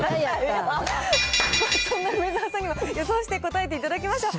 そんな梅沢さんにも予想して答えていただきましょう。